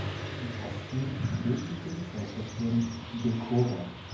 Im Osten steht die Polizeistation Becora.